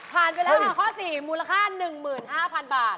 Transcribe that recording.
ไปแล้วค่ะข้อ๔มูลค่า๑๕๐๐๐บาท